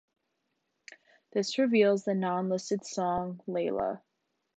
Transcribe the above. This reveals the non-listed song "Layla".